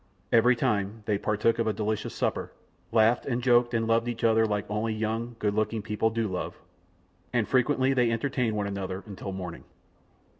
Every time they partook of a delicious supper, laughed and joked and loved each other like only young, good looking people do love, and frequently they entertained one another until morning.